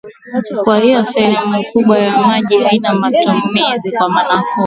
Kwa hiyo sehemu kubwa ya maji haina matumizi kwa manufaa